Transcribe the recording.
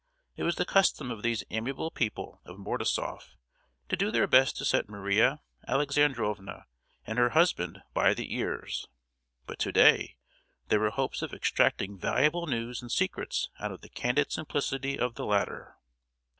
It was the custom of these amiable people of Mordasoff to do their best to set Maria Alexandrovna and her husband "by the ears;" but to day there were hopes of extracting valuable news and secrets out of the candid simplicity of the latter.